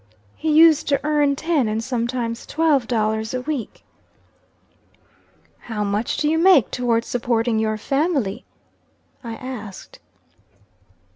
He used to earn ten and sometimes twelve dollars a week." "How much do you make towards supporting your family?" I asked.